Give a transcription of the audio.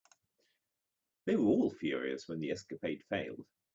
They were all furious when the escapade failed.